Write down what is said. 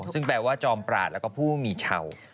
ซึ่งแปลว่าจอมปราศแล้วก็ผู้มีเฉา